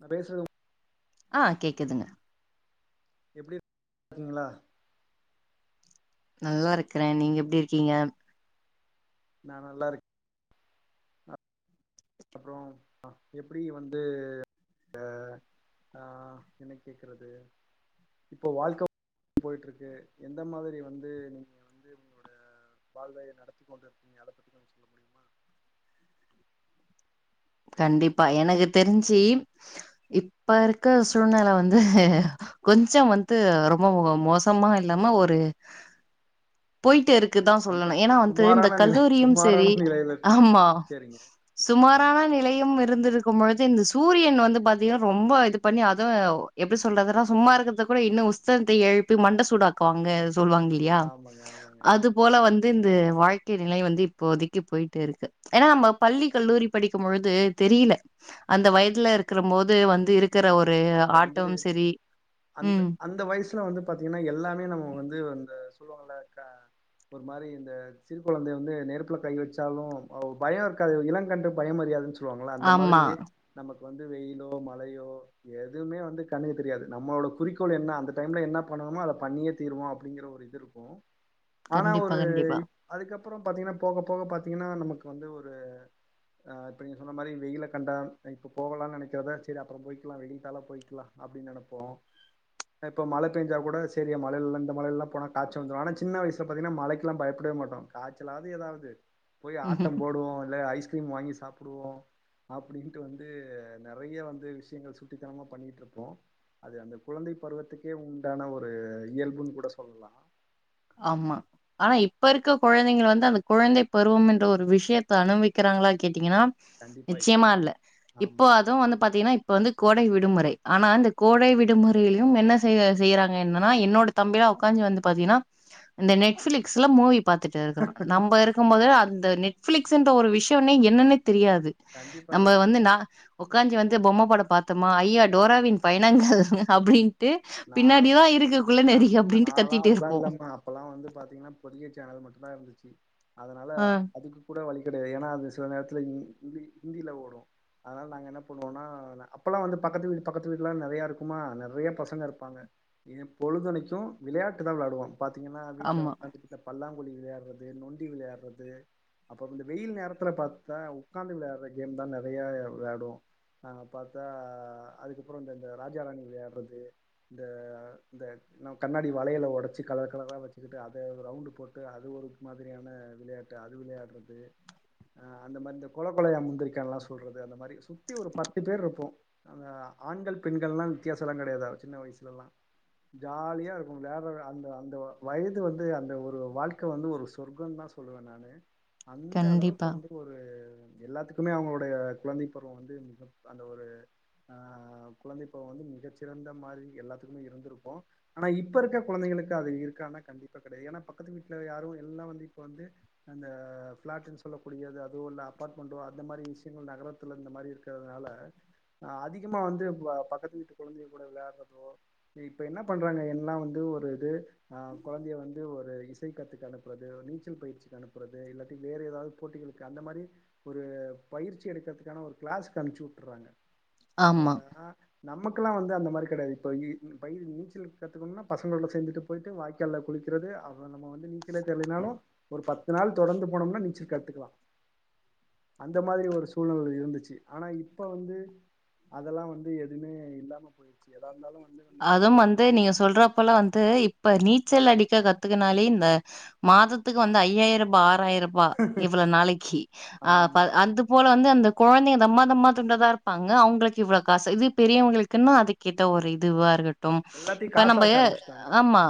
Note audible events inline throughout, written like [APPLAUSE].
நா பேசுறே ஆ கேக்குதுங்க எப்டி க்கீங்களா நல்லாருக்கறே நீங்க எப்டி இர்க்கீங்க நா நல்லார்க் அப்றோ அ எப்டி வந்து அ ஆ என்ன கேக்றது இப்போ வாழ்க்க போய்ட்டு இருக்கு எந்த மாதிரி வந்து நீங்க வந்து வாழ்வை நடத்தி கொண்டு இருக்கீங்க அத பத்தி கொஞ்ச சொல்ல முடி கண்டிப்பா எனக்கு தெரிஞ்சு இப்ப இருக்க சூழ்நில வந்து கொஞ்ச வந்து ரொம்ப மோசமா இல்லாம ஒரு போயிட்டு இருக்குதா அந்த சொல்லணு ஏனா வந்து இந்த சுமாரான நிலை கல்லூரியு சரி சுமாரான நிலையில ஆம்மா சேரிங்க அ சுமாரானா நீ இருந்து இருக்கு பொழுது இந்த சூரியன் வந்து பாத்தீங்ன்னா ரொம்ப இது பண்ணி அத எப்டி சொல்றதுன்னா சும்மா இருக்கறத கூட இன்னு உஸ்தத்த எழுப்பி மண்ட சூடாக்குவாங்க சொல்வாங்கல யா ஆமாங்க ஆமாங்க அது போல வந்து இந்த வாழ்க்கை நிலை வந்து இப்போதக்கி போயிட்டுருக்கு ஏனா நம்ம பள்ளி கல்லூரி படிக்கு பொழுது தெரில அந்த வயதுல இருக்கிற போது வந்து இருக்கிற ஆமா ஒரு அப்ப வந்து ஆட்டம் சரி அந்த ம் அந்த வயசுல வந்து பாத்தீங்கனா எல்லாமே நம்ம வந்து இந்த சொல்வாங்கல்ல ஒரு மாரி இந்த சிறு கொழந்த வந்து நெருப்புல கை வெச்சாலு பயொ இருக்காது இளங்கன்றுக்கு பய அரியாதுன்னு சொ சொல்லுவாங்கள அந்த ஆமா. மாதிரி நமக்கு வந்து வெயிலோ மழயோ எதுவுமே வந்து கண்ணுகி தெரியாது நம்மளோட குறிக்கோள் என்னனா அந்த டைம்ல என்ன பண்ணணமோ அத பண்ணியே தீருவ அப்டிங்கற [UNINTELLIGIBLE] ஆனா கண்டிப்பா, ஒரு கண்டிப்பா. இ அதுக்கப்றொ பாத்தீங்ன்னா போக போக பாத்தீங்ன்னா நமக்கு வந்து ஒரு அ இப்ப நீங்கள் சொன்ன மாரி வெயில்ல கண்ட இப்போ போகலான்னு நெனைக்கிறத சரி அப்றோ போயிக்கலா வெயில்த்தாலா போயிக்கலா அப்படின் நெனைப்போம் அ இப்போ மழ பெஞ்ச கூடா சரி மழையில்ல இந்த மலெல்ல போன காச்ச வந்துடு ஆனா சின்ன வயசில பாத்திங்கனா மழைக்கெல்லா பயப்படவே மாட்டோ காய்ச்சலாவது எதாவது போய் ஆட்டம் போடுவோ இல்ல ஐஸ்கிரீம் வாங்கி ச சாப்புடுவோ அப்டின்ட்டு வந்து நெறைய வந்து விஷயங்கள் சுட்டித்தனமா பண்ணிட்டு இருப்போ அது அந்த குழந்தை பருவத்துக்கே உண்டான ஒரு இயல்புன்னு கூட சொல்லலா ஆம்மா ஆனா இப்ப இருக்க கொழந்தைங்க வந்து அந்த குழந்தை பருவம் என்ற ஒரு விஷயத்த அனுபவிக்கிறாங்களா கேட்டீங்கனா நிச்சயமா இல்ல ஆமா இப்போ அதுவு வந்து பாத்தீங்கனா இப்ப வந்து கோடை விடுமுறை ஆனா இந்த கோடை விடுமுறையிலையு என்ன செய் செய்யறாங்க என்னனா என்னோட தம்பி அ ஒக்காந்து வந்து பாத்தீங்கன்னா நெ நெட்ஃபிலிக்ஸ்ல மூவி பாத்துட்டு இருக்கறா நம்ம இரு இருக்கும் போது அந்த நெட்பிளிக்ஸ்ன்ற ஒரு விஷயம்னே என்னன்னே தெரியாது கண்டிப்பா நம்ம கண் வந்து ந உக்காஞ்சி வந்து பொம்மை படம் பாத்தோமா ஐயா டோராவின் பயணங்கள் அப்டின்னு டு நாலா பின்னாடிதா இருக்கு குள்ள நரி அப்டின்ட்டு கத்திட்டிருப்போ அப்போலா வந்து பாத்தீங்கனா பொதிகை சேனல் மட்டும்தா இருந்துச்சு அதனால ஆ அதுக்கு கூட வலி கெடையாது ஏனா அது சில நேரத்தில இ இந்தி இந்தில ஓடு அதனால நாங்க என்ன பண்ணுவோனா அப்பெல்லா வந்து பக்கத்து வீடு பக்கத்து வீடுலா நெறையா இருக்குமா நெறைய பசங்க இரு பாங்க ஏ பொழுதனைக்கு விளையாட்டு தா வெளாடுவோ பாத்தீங்கனா வீட்ல ஆமா ஒக்காந்து இந்த பல்லாங்குழி விளையாடுறது நொண்டி விளையாடுறது அப்றோ இந்த வெயில் நேரத்துல பாத்தா உக்காந்து விளயாடுற கேம் தா நெறைய விளாடுவோ ஆ பாத்தா அதுக்கப்புறோ இந்த இந்த ராஜா ராணி விளையாடுறது இந்த இந்த நம்ம கண்ணாடி வளையல உடைச்சு கலர் கலரா வச்சு சுட்டு அத ரவுண்ட் போட்டு அது ஒரு மாதிரியான விளையாட்டு அது விளையாடுறது அ அந்த மாரி இந்த கொல கொலையா முந்திரிக்கான்லா சொல்றது அந்த மாரி சுத்தி ஒரு பத்து பேர் இருப்போ அந்த ஆண்கள் பெண்கள்லா வித்தியாசல்லா கெடையாது சின்ன வயசுலல்லா ஜாலியா இருக்கு விளயாட்ற அந்த அந்த வயது வந்து அந்த ஒரு வாழ்க்க வந்து ஒரு சொர்க்கோன் தா சொல்வ நான் [UNINTELLIGIBLE] அந்த அளவுக் கண்டிப்பா வந்து ஒரு எல்லாத்துக்குமே அவுங்ளுடைய குழந்தை பருவோ வந்து மிக அந்த ஒரு அ குழந்தைப் பருவ வந்து மிகச்சிறந்த மாரி எல்லாத்துக்குமே இருந்திருப்போ ஆனா இப்ப இருக்க குழந்தைங்களுக்கு அது இருக்கான்னா கண்டிப்பா கெடையா ஏன்னா பக்கத்து வீட்ல யாரு எல்லா வந்து இப்ப வந்து அந்த ஃபிளாட்டுன் சொல்லக்க கூடியது அதுவோ இல்ல அப்பார்ட்மெண்ட்டோ அந்த மாரி விஷ்யங்கள் நகரத்துல இந்த மாரி இருக் ட்டதுனால அதிகமா வந்து வ பக்கத்து வீட்டு குழந்தைக் கூட விளையாட்றத் தோ இப்ப என்ன பண்றாங்க எல்லா வந்து ஒரு இது ஆ குழந்தைய வந்து ஒரு இசை கத்துக்க அனுப்புறது நீச்சல் பயிற்சி அனுப்புறது இல்லாட்டி வேற ஏதாவது போட்டிகளுக் அந்த மாரி ஒரு பயிற்சி எடுக்கறதுக்கான ஒரு க்ளாஸ்க்கு அனுப்ச்சுட்டுறாங்க ஆமா ஆ நமக்கல்லா வந்து அந்த மாரி கெடையாது ப யி இந்த [UNINTELLIGIBLE] நீச்சல் கத்துக்கணுனா பசங்களோ சேந்துட்டு போயிட்டு வாய்க்கால்ல குளிக்கிறது அவ நம்ம வந்து நீச்சலே தெரிலனாலு ஒரு பத்து நாள் தொடர்ந்து போனம்னா நீச்சல் கத்துக்கலா அந்த மாரி ஒரு சூழ்நிலை இருந்துச்சு ஆனா இப்ப வந்த அதெல்லா வந்து எதுவுமே இல்லாம போயிட்ச்சு எதா இருந்தாலு வந்து நம்ம அதும் வந்து நீங்க சொல்றப்பலா வந்து இப்ப நீச்சல் அடிக்க கத்துக்கனாலே இந்த மாதத்துக்கு வந்து ஐயாயிர ரூபா ஆறாயிர ரூபா இவ்ளோ நாளைக்கி அ ஃப ஆமா அந்து போல வந்து அந்த கொழந்தைங்க தம்மா தம்மா துண்டதா இருப்பாங்க அவுங்களுக் இவ்ளோ காசு இது பெரியவங்களுக்குன்ன அதுக்கேத்த ஒரு இத் துவா இருக்கட்டு எல்லாத்தையு இப்ப நம்ப காசாக்க ஏ ஆரம்பிச்சுட்டாங்க ஆம்மா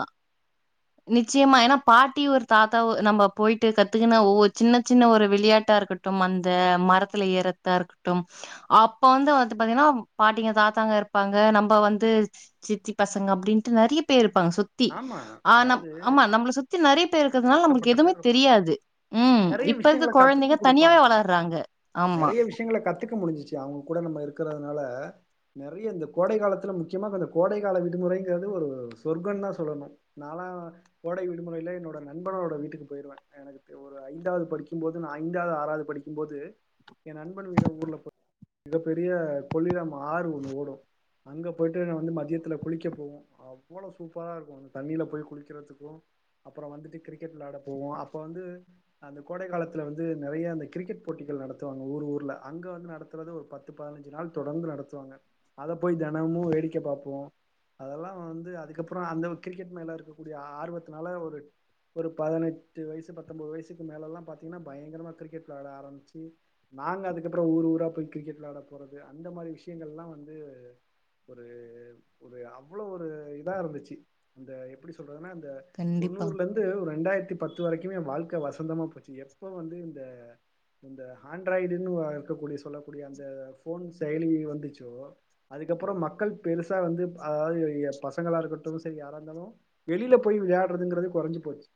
நிச்சியமா ஏன்னா பாட்டி ஒரு தாத்தாவ நம்ப போயிட்டு கத்துக்கன ஒவ்வொரு சின்ன சின்ன ஒரு விளையாட்டா இருக்கட் ட்டும் அந்த மரத்துல ஏறத்தா இருக்ட்டும் அப்ப வந்து வந்து பாத்தீங்கனா பாட்டிங்க தாத்தாங்க இருப்பாங்க நம்ப வந்து சித்தி பசங்க அப்டின்ட்டு நெறைய பேர் இருப்பாங்க சு த்தி ஆமா ஆ நம் அதாவது ஆமா நம்மள சுத்தி நெறைய பேர் இருக்கறதுனால நம்ளுக் ஏகப்பட்ட எதுவுமே பேர் இருப்பாங்க தெரியாது ம் நெறைய இப்ப இருக்க விஷயங்கள குழந்தைங்க கத்துக்கும் தனியாவே குடுப்பாங்க வளர்றாங்க ஆமா நெறைய விஷயங்கள கத்துக்க முடிஞ்சிச்சு அவங்க கூட நம்ம இருக்கறதுனால நெறைய இந்த கோடைக்காலத்துல முக்கியமா கொஞ்ச கோடைகால விடுமுறைங்கறது ஒரு சொர்க்கோந்தா சொ சொல்லணு நாலா கோடை விடுமுறையில என்னோட நண்பனோட வீட்டுக்கு போயிருவே எனக் எனக்கு ஒரு ஐந்தாவது படிக்கும்போது நா ஐந்தாவது ஆறாவது படிக்கும்போது எ நண்பன் விட ஊர்ல போய் மிகப் பெரிய கொள்ளிலம் ஆறு ஒன்னு ஓடு அங்க போயிட்டு நா வந்து மத்யத்ல குளிக்க போவோ அவ்வளோ சூப் பரா இருக்கு தண்ணியில போய் குளிக்கிறதுக்கு அப்பற வந்துட்டு கிரிக்கெட் வெளயாட போவோ அப்போ வந்து அந்த கோடை காலத்துல வந்து நெறைய அந்த கிரிக்கெட் போட்டிகள் நடத்துவாங்க ஊர் ஊர்ல அங்க வந்து நடத்துறது ஒரு பத் பத்து பதனஞ்சு நாள் தொடர்ந்து நடத்துவாங்க அத போய் தெனமு வேடிக்க பாப்போ அதெல்லா வந்து அதுக்கப் அப்றோ அந்த கிரிக்கெட் மேல இருக்கக்கூடிய ஆர்வத்தனால ஒரு ஒரு பதினெட்டு வயசு பத்தொன்பது வயசுக்கு மேலலெல்லா பாதீங்கனா பயங்கரமா கிரிக்கெட் வெளாட ஆரம்பிச்சு நாங்க அதுக்கப்பறோ ஊர் ஊரா போய் கிரிக்கெட் வெளையாட போறது அந்த மாரி விஷயங்கல்லா வந்து ஒரு ஒரு அவ்ளோ ஒரு இதா இருந்துச்சு டி இந்த எப்டி சொல்றதுனா இந்த கண்டிப்பா தொண்ணூறுலருந் டு ரெண்டாயிரத்தி பத்து வரைக்குமே வாழ்க்க வசந்தமா போச்சு எப்ப வந்து இந்த இந்த ஆண்ட்ராய்டுன்னு வ இருக்கக்கூடிய சொல்லக்கூடிய அந்த ஃபோன் செயலி வந்துச்சோ அதுக்கப்பறோ மக்கள் பெருசா வந்து அதாவது பசங்களா இருக்குட் டு செரி யாரா இருந்தாலு வெளில போய் விளையாட்றதுங்கறது கொறஞ்சு போச்சு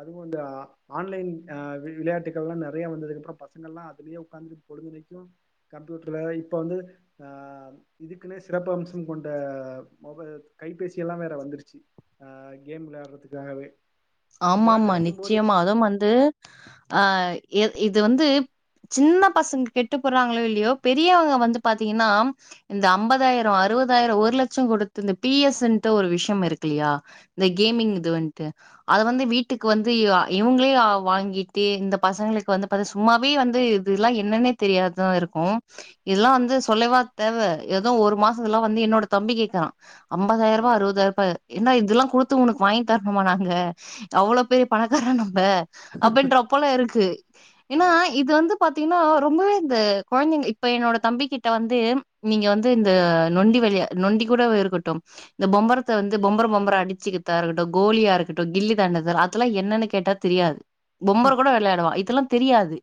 அதுவு இந்த அ ஆன்லைன் அ வி விள்யாட்டுகல்லா நெறைய வந்தது அப்புற பசங்கல்லா அதுல்லே உக்காந்து பொழுதனைக்கு கம்ப்யூட்ர இப்ப வந்து இதுக்குன்னே சிறப்பு அம்சம் கொண்ட மொப கைபேசி எல்லா வேற வந்துருச்சு அ கேம் விள்ளயாடுட்றதுக்காகவே ஆமாமா நிச்சியமா அதும் வந்து அ எத் இது வந்து சின்ன பசங்க கெட்டு போடுறாங்ளோ இல்யோ பெரியவங்க வந்து பாத்தீங்கன்னா இந்த ஐம்பதாயரோ அறுபதாயரோ ஒரு லட்சோ குடுத்து இந்த பிஎஸ் ன்ட்டு ஒரு விஷ்யம் இருக்குல்யா இந்த கேமிங் இது வந்ட்டு அத வந்து வீட்டுக் வந்து இவ இவுங்ளே அ வாங்கிட்டு இந்த பசங்ளுக்கு வந்து பாத்த சும்மாவே வந்து இதுல்லா என்னன்னே தெரியது தா இருக்கு இத்ல்லா வந்து சொல்லேவா தேவ எதோ ஒரு மாசத்துல்லா வந்து என்னோட தம்பி கேட்குறா ஐம்பதாயர்பா அறுபதாயர்பா ஏன்டா இதுல்லா குடுத்து உனக்கு வாங்கி தர்ணுமா நாங்க அவ்ளோ பெரிய பணக்காரன் நம்ப அப்பிடின்ற போல இருக்கு ஏன்னா இது வந்து பாத்தீங்ன்னா ரொம்பவே இந்த கொழந்தைங்க இப்ப என்னோட தம்ப கிட்ட வந்து நீங்க வந்து இந்த நொண்டி வலியா நொண்டி கூட வ இருக்கட்டு இந்த பொம்பரத்த வந்து பொம்பர பொம்பர அடிச்சிகித்தா இருக்கட்டு கோலியா இருக்குட் டு கில்லி தாண்டத்தல் அதல்லா என்னனு கேட்டா தெரியாது பொம்பர கூட வெள்யாடுவா இதல்லா தெரியாது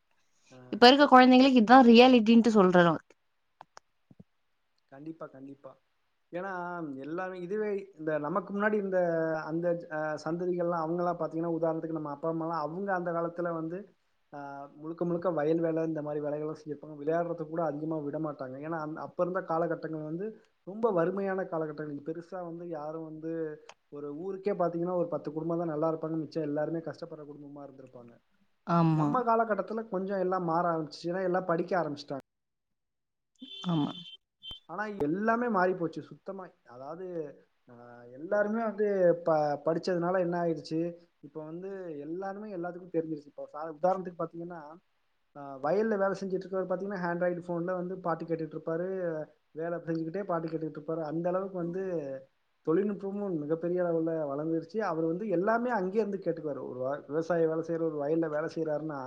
இப்ப இருக்க கொழந்தைங்ளுக் இதுதா ரியாலிட்டின்ட்னு சொல்றது கண்டிப்பா கண்டிப்பா ஏனா எல்லாருமே இதுவே இந்த நமக்கு முன்னாடி இந்த அந்தச் அ சங்கதிகல்லா அவுங்களா பாத்தீங்கன்னா உதார்ணத்துக்கு நம்ம அப்பா அம்மால்லா அவுங்க அந்த காலத்துல வந்து அ முழுக்க முழுக்க வயல் வேல இந்த மாரி வேலைகள்லா செஞ்சிருப்பாங்க விளயாட்றதுக் கூட அதிகமாக விட மாட்டாங்க ஏன்னா அந் அப் ப்ப இருந்த காலகட்டங்கள் வந்து ரொம்ப வறுமையான காலகட்டங்க பெருசா வந்து யாரு வந்து ஒரு ஊருக்கே பாத்தீங்கன்னா ஒரு பத்து குடும்பம தா நல்லா இருப்பாங்க மிச்ச எல்லாருமே கஷ்ட்டப்பட்ற குடும்பமா இருந்துருப்பாங்க ஆமா, நம்ம காலகட்டத்துல கொஞ்ச எல்லா மாற ஆரம்ச்சு ஏன்னா எல்லா படிக்க ஆரம்ச்ட்டாங்க ஆமா ஆனா எல்லாமே மாறி போச்சு சுத்தமா அதாது அ எல்லாருமே வந்து பா படிச்சதுனால என்ன ஆய்டுச்சு இப்ப வந்து எல்லாருமே எல்லாத்துக்கு தெரிஞ்சிருச்சு இப்ப சா உதார்ணத்துக்கு பாத்தீங்கன்னா அ வயல்ல வேல செஞ்சுட்ருக்கவுரு பாத்தீங்கன்னா ஹாண்ட்ராய்டு ஃபோன்ல வந்து பாட்டு கேட்டுட்டுகிட்ருப்பாரு வேல பெஞ்சுகிட்டே பாட்டு கேட்டுக்கிட்ருப்பாரு அந்த அளவுக் வந்து தொழில்நுட்பமு மிகப்பெரிய அளவுல வளந்துருச்சு அவுர் வந்து எல்லாமே அங்யே இர்ந்து கேட்டுக்குவாரு ஒரு வார் விவசாய வேல செய்றவுர் வயல்ல வேல செய்றார்ன்னா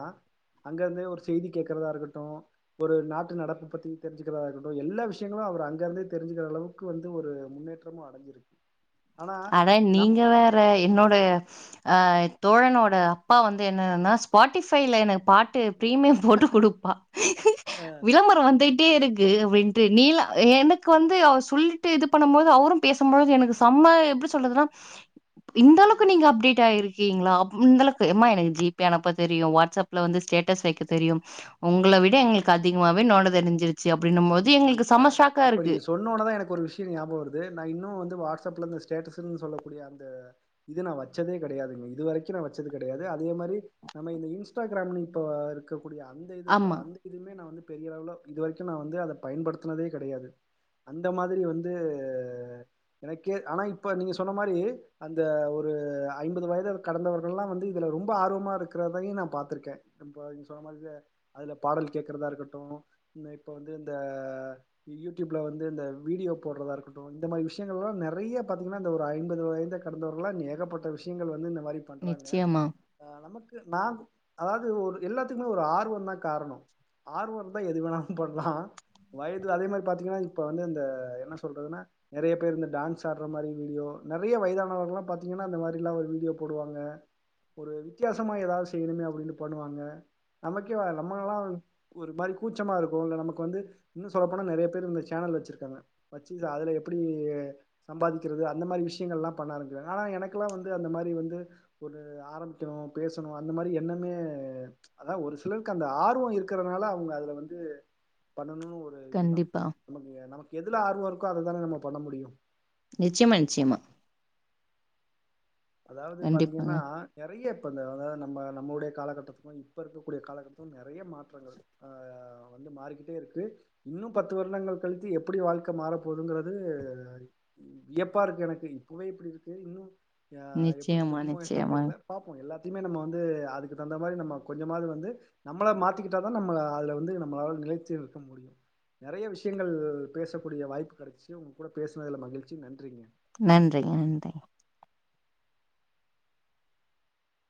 அங்கருந்து ஒரு செய்தி கேக்குறதா இருக்கட்டு ஒரு நாட்டு நடப்பு பத்தி தெரிஞ்சுக்குறதா இருக்கட்டு எல்லா விஷ் சியங்களு அவுர் அங்கர்ந்தே தெரிசுக்குற அளவுக்கு வந்து ஒரு முன்னேற்றமு அடஞ்சிருக் அட நீங்க வேற என்னோடய அ தோழனோட அப்பா வந்து என்னதுன்னா ஸ்பாட்டிஃபைல எனக்கு பாட்டு ப்ரீமியம் போட்டு குடுப்பா அ விளம்பர வந்திட் டே இருக்கு அப்டின்டு நீல எனக்கு வந்து அவ சொல்லிட்டு இது பண்ணம்போது அவுரு பேசம்பொழுது எனக்கு சம்ம எப்டி சொல்றதுன்னா இந்தளவ்க்கு நீங்க அப்டேட் ஆயிருக்கீங்ளா ம் இந்தளக்கு எம்மா எனக்கு ஜி பே அனுப்ப தெரியு வாட்ஸ் அப் ல வந்து ஸ்டேஸ் வைக்க தெரியு உங்ள விட எங்ளுக் அதிக்மாவே நோண்ட தெரிஞ்சிரு சி அப்டின்னும் மோது எங்ளுக்கு சம்ம ஷாக்கா இருக்கு உன்னோனதா எனக்கு ஒரு விஷ்ய ஞாப வருது நா இன்னு வந்து வாட்ஸ் அப்ல இந்த ஸ்டேட்டஸ்ன் சொல்லக்கூடிய அந்த இது நா வச்சதே கெடையாதுங்க இது வரைக்கு நா வச்சது கெடையாது அதே மாரி நம்ம இந்த இன்ஸ்டாகிராமு இப்ப ருக்கக்கூடிய அந்த இது ஆமா அந்த இதுமே நா வந்து பெரிய அளவுல இது வரைக்கு நா வந்து அத பயன்படுத்துனதே கெடையாது அந்த மாதிரி வந்து எனக்கே ஆனா இப்ப நீங்க சொன்ன மாரி அந்த ஒரு ஐம்பது வயது கடந்தவர்கல்லா வந்து இதுல ரொம்ப ஆர்வமா இருக்கிறதையு நா பாத்துருக்கன் இப்போ நீங்க சொன்ன மாதிரியே அதுல பாடல் கேக்றதா இருக்கட்டு இப்போ வந்து இந்த யூடுப்ல வந்து இந்த வீடியோ போடுறதா இருக்கட்டு இந்த மாரி விஷயங்கள் எல்லா நெறைய பாத்தீங்கன்னா ஒரு ஐம்பது வயத கடந்தவர்களா நீ ஏகப்பட்ட விஷயங்கள் வந்து இந்த மாரி பண்றாங்க நிச்சயமா ஆ நமக்கு நா அதவது ஒரு எல்லாத்துக்குமே ஒரு ஆர்வந்தான் காரணோ ஆர்வ இருந்தா எது வேணாலு பண்லா வயது அதே மாரி பாத்தீங்கன்னா இப்ப வந்து இந்த என்ன சொல்றதுனா நெறைய பேர் இந்த டான்ஸ் ஆடுற மாரி வீடியோ நெறைய வயதானவர்கல்லா பாத்தீங்கனா அந்த மாரில்லா ஒரு வீடியோ போடுவாங்க ஒரு வித்தியாசமா எதாவுது செய்யணுமே அப்பிடின்னு பண்ணுவாங்க நமக்கே நம்மங்கல்லா ஒரு மாரி கூச்சமா இருக்கு இல்ல நமக் கு வந்து இன்னு சொல்ல போன நெறைய பேர் இந்த சேனல் வச்சிருக்காங்க வச்சு அதுல எப்டி சம்பாதிக்கறது அந்த மாரி விஷயங்கள் எல்லா பண்ண ஆரம்பிறாங்க ஆனா எனக்கெல்லா வந்து அந்த மாரி வந்து ஒரு ஆரம்பிக்கணு பேசணு அந்த மாரி என்னமே அதா ஒரு சிலருக்கு அந்த ஆர்வோ இருக்கிறதுனால அவுங்க அதுல வந்து பண்ணணுன் ஒரு இது தா கண்டிப்பா நமக்கு நமக்கு எதுல ஆர்வ இருக்கோ அது தானே நம்ம பண்ண முடியும் நிச்சயமா நிச்சயமா அதாவுது பாத்திங்கன்னா கண்டிப்பாங்க நெறைய இப்ப இந்த அதா நம்ம நம்ம உடைய காலகட்டத்துக்கலா இப்ப இருக்க கூடிய காலகட்டத்துக்கும் நெறைய மாற்றங்கள் அ வந்து மாரி கிட்டேருக்கு இன்னு பத்து வருடங்கள் கழித்து எப்டி வாழ்க்க மாறபோதுங்கிறது வியப்பா இருக்கு எனக்கு இப்பவே இப்டி இருக்கு இன்னு ஆ எப்டி நிச்சயமா இருக்குமோ என்னன் நிச்சயமா தெரில பாப்போ எல்லாத்தையுமே நம்ம வந்து அதுக்கு தந்த மாரி நம்ம கொஞ்சமாது வந்து நம்மள மாத்திக்கிட்டா தா நம்ம அதுல வந்து நம்மளால நிலைச்சி இருக்க முடியு நெறைய விஷயங்கள் பேச கூடிய வாய்ப்பு கெடைச்சு உங்க கூட பேசுனதுல மகிழ்ச்சி நன்றிங்க நன்றிங்க நன்றிங்க